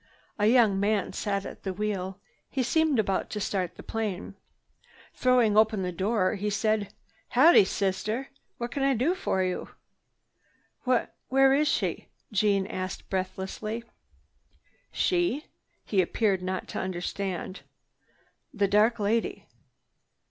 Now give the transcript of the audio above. A young man sat at the wheel. He seemed about to start the plane. Throwing open the door, he said, "Howdy, sister. What can I do for you?" "Wh—where is she?" Jeanne asked breathlessly. "She?" He appeared not to understand. "The dark lady."